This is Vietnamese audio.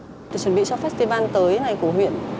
chúng mình chuẩn bị cho festival tới này của huyện